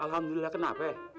alhamdulillah kenapa ya